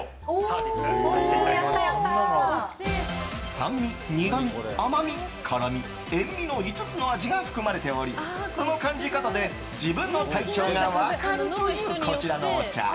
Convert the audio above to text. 酸味、苦み、甘み辛味、塩みの５つの味が含まれておりその感じ方で自分の体調が分かるというこちらのお茶。